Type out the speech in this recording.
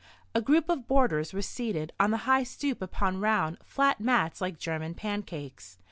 A group of boarders were seated on the high stoop upon round, flat mats like German pancakes.